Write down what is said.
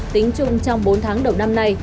tính chung trong bốn tháng đầu năm nay